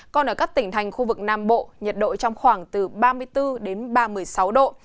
còn ở các tỉnh thành khu vực nam bộ nhiệt độ trong khoảng từ ba mươi bốn ba mươi sáu độ